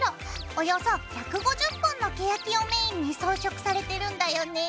およそ１５０本のケヤキをメインに装飾されてるんだよね。